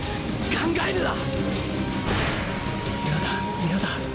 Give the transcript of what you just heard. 考えるな‼